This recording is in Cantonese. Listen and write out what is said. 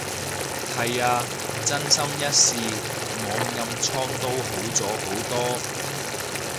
係啊，真心一試，我暗瘡都好咗好多